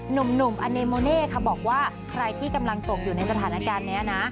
หนุ่มอเนโมเน่ค่ะบอกว่าใครที่กำลังส่งอยู่ในสถานการณ์นี้นะ